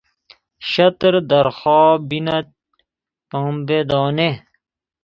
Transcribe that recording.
شتر در خواب بیند پنبه دانه...